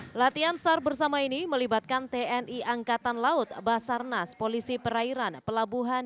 hai latihan sar bersama ini melibatkan tni angkatan laut basarnas polisi perairan pelabuhan